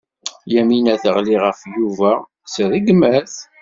Yamina teɣli ɣef Yuba s rregmat.